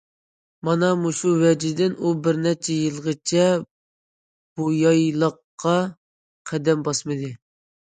مانا مۇشۇ ۋەجىدىن ئۇ بىر نەچچە يىلغىچە بۇ يايلاققا قەدەم باسمىدى.